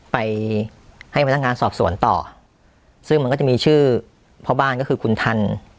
ไปให้พนักงานสอบสวนต่อซึ่งมันก็จะมีชื่อพ่อบ้านก็คือคุณทัน